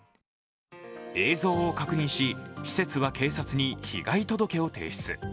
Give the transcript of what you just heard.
映像を確認し、施設は警察に被害届を提出。